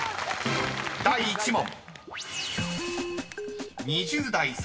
［第１問］